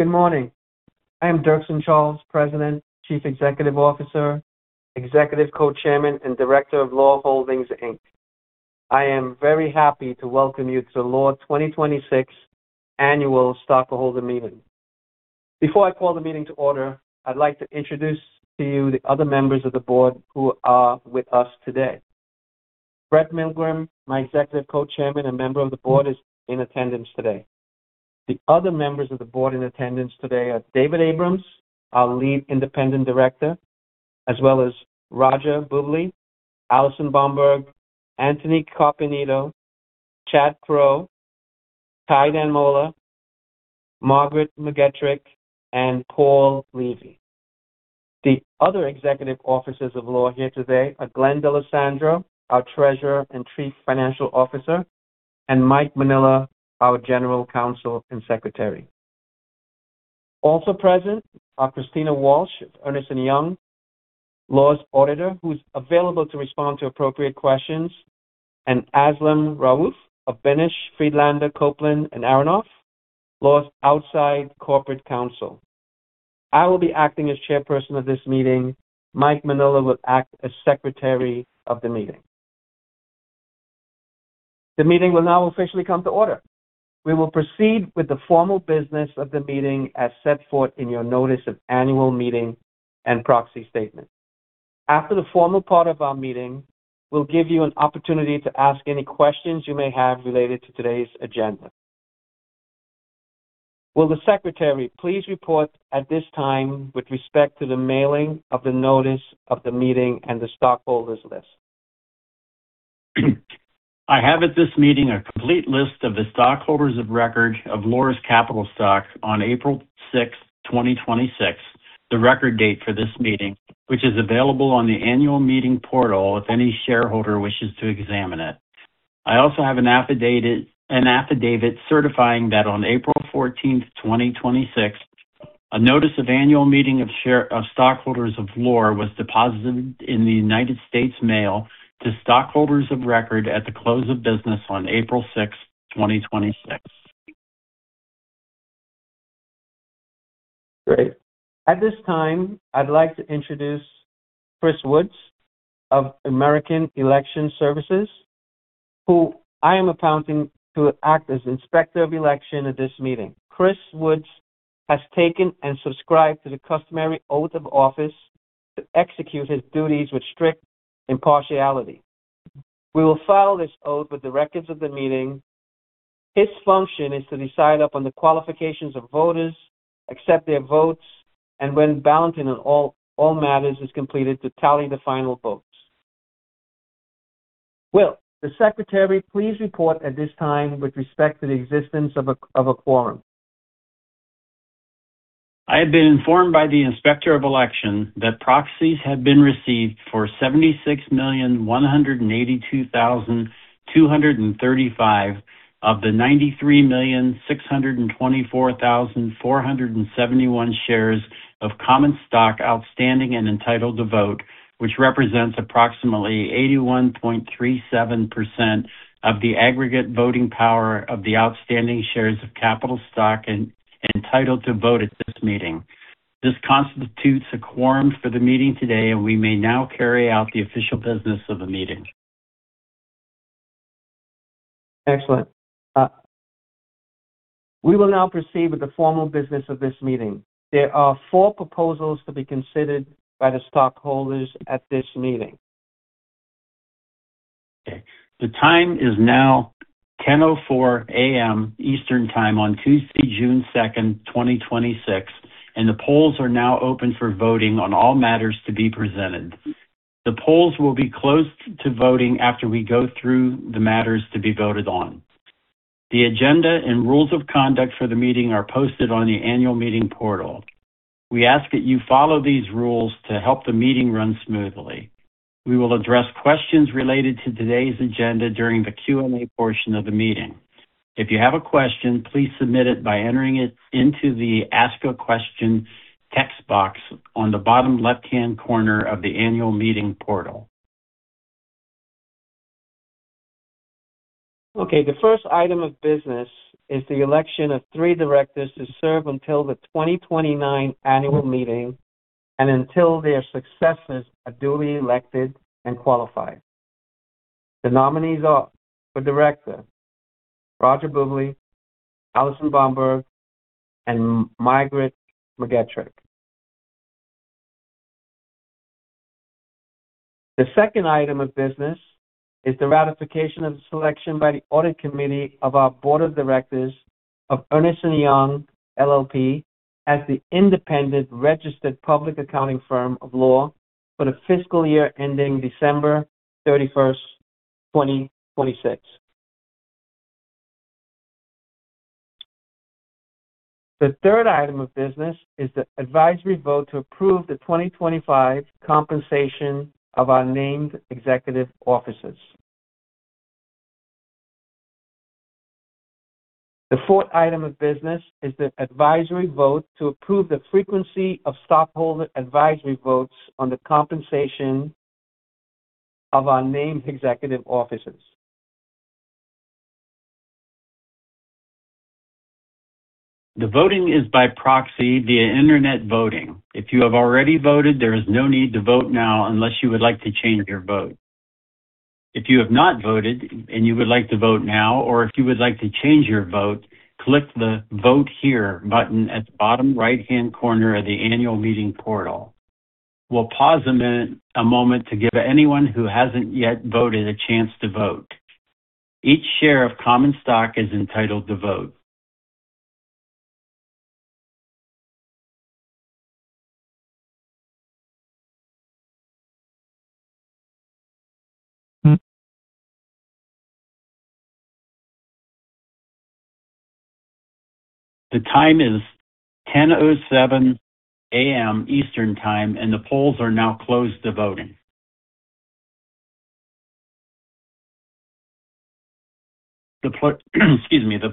Good morning. I am Dirkson Charles, President, Chief Executive Officer, Executive Co-Chairman, and Director of Loar Holdings, Inc. I am very happy to welcome you to Loar 2026 Annual Stockholder Meeting. Before I call the meeting to order, I'd like to introduce to you the other members of the board who are with us today. Brett Milgrim, my Executive Co-Chairman and Member of the Board, is in attendance today. The other members of the board in attendance today are David Abrams, our Lead Independent Director, as well as Raja Bobbili, Alison Bomberg, Anthony Carpenito, Chad Crow, Tai Danmola, Margaret McGetrick, and Paul Levy. The other executive officers of Loar here today are Glenn D'Alessandro, our Treasurer and Chief Financial Officer, and Mike Manella, our General Counsel and Secretary. Also present are Christina Walsh of Ernst & Young, Loar's auditor, who's available to respond to appropriate questions, and Aslam Rawoof of Benesch, Friedlander, Coplan & Aronoff, Loar's outside corporate counsel. I will be acting as chairperson of this meeting. Mike Manella will act as secretary of the meeting. The meeting will now officially come to order. We will proceed with the formal business of the meeting as set forth in your notice of annual meeting and proxy statement. After the formal part of our meeting, we'll give you an opportunity to ask any questions you may have related to today's agenda. Will the secretary please report at this time with respect to the mailing of the notice of the meeting and the stockholders list? I have at this meeting a complete list of the stockholders of record of Loar's capital stock on April 6th, 2026, the record date for this meeting, which is available on the annual meeting portal if any shareholder wishes to examine it. I also have an affidavit certifying that on April 14th, 2026, a notice of annual meeting of stockholders of Loar was deposited in the United States Mail to stockholders of record at the close of business on April 6th, 2026. Great. At this time, I'd like to introduce Chris Woods of American Election Services, who I am appointing to act as Inspector of Election at this meeting. Chris Woods has taken and subscribed to the customary oath of office to execute his duties with strict impartiality. We will file this oath with the records of the meeting. His function is to decide upon the qualifications of voters, accept their votes, and when balloting on all matters is completed, to tally the final votes. Will the secretary please report at this time with respect to the existence of a quorum? I have been informed by the Inspector of Election that proxies have been received for 76,182,235 of the 93,624,471 shares of common stock outstanding and entitled to vote, which represents approximately 81.37% of the aggregate voting power of the outstanding shares of capital stock entitled to vote at this meeting. This constitutes a quorum for the meeting today, and we may now carry out the official business of the meeting. Excellent. We will now proceed with the formal business of this meeting. There are four proposals to be considered by the stockholders at this meeting. Okay. The time is now 10:04 A.M. Eastern Time on Tuesday, June 2nd, 2026. The polls are now open for voting on all matters to be presented. The polls will be closed to voting after we go through the matters to be voted on. The agenda and rules of conduct for the meeting are posted on the annual meeting portal. We ask that you follow these rules to help the meeting run smoothly. We will address questions related to today's agenda during the Q&A portion of the meeting. If you have a question, please submit it by entering it into the Ask a Question text box on the bottom left-hand corner of the annual meeting portal. Okay, the first item of business is the election of three directors to serve until the 2029 annual meeting and until their successors are duly elected and qualified. The nominees are for Director, Raja Bobbili, Alison Bomberg, and Margaret McGetrick. The second item of business is the ratification of the selection by the Audit Committee of our Board of Directors of Ernst & Young LLP as the independent registered public accounting firm of Loar for the fiscal year ending December 31st, 2026. The third item of business is the advisory vote to approve the 2025 compensation of our named executive officers. The fourth item of business is the advisory vote to approve the frequency of stockholder advisory votes on the compensation of our named executive officers The voting is by proxy via internet voting. If you have already voted, there is no need to vote now unless you would like to change your vote. If you have not voted and you would like to vote now or if you would like to change your vote, click the Vote Here button at the bottom right-hand corner of the annual meeting portal. We'll pause a moment to give anyone who hasn't yet voted a chance to vote. Each share of common stock is entitled to vote. The time is 10:07 A.M. Eastern Time, and the polls are now closed to voting. The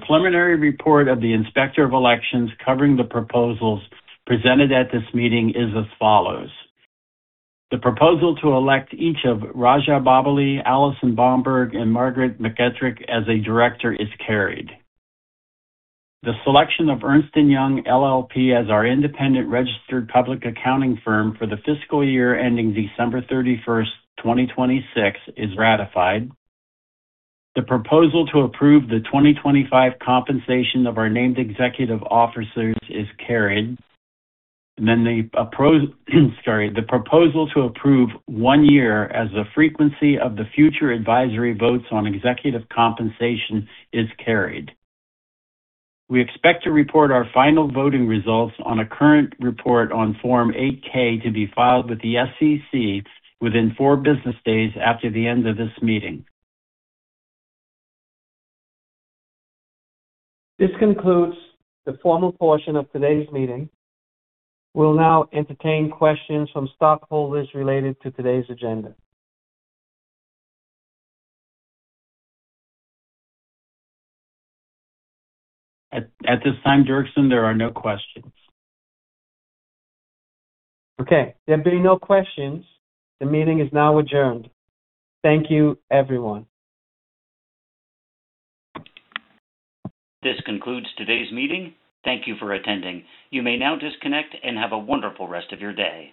preliminary report of the Inspector of Elections covering the proposals presented at this meeting is as follows. The proposal to elect each of Raja Bobbili, Alison Bomberg, and Margaret McGetrick as a Director is carried. The selection of Ernst & Young LLP as our independent registered public accounting firm for the fiscal year ending December 31st, 2026 is ratified. The proposal to approve the 2025 compensation of our named executive officers is carried. The proposal to approve one year as the frequency of the future advisory votes on executive compensation is carried. We expect to report our final voting results on a current report on Form 8-K to be filed with the SEC within four business days after the end of this meeting. This concludes the formal portion of today's meeting. We'll now entertain questions from stockholders related to today's agenda. At this time, Dirkson, there are no questions. Okay. There being no questions, the meeting is now adjourned. Thank you, everyone. This concludes today's meeting. Thank you for attending. You may now disconnect and have a wonderful rest of your day.